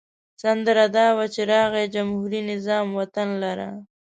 سندره دا وه چې راغی جمهوري نظام وطن لره.